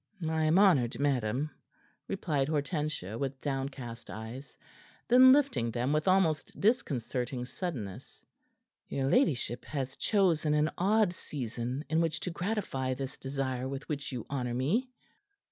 "I am honored, madam," replied Hortensia, with downcast eyes. Then lifting them with almost disconcerting suddenness. "Your ladyship has chosen an odd season in which to gratify this desire with which you honor me."